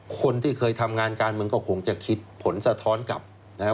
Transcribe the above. คนที่เคยทำงานการเมืองก็คงจะคิดผลสะท้อนกลับนะครับ